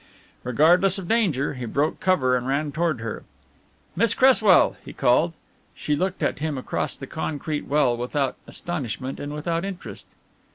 Regardless of danger, he broke cover and ran toward her. "Miss Cresswell," he called. She looked at him across the concrete well without astonishment and without interest.